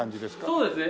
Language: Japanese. そうですね。